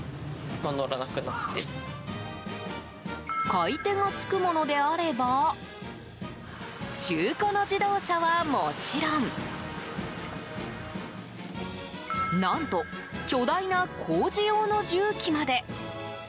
買い手がつくものであれば中古の自動車はもちろん何と、巨大な工事用の重機まで。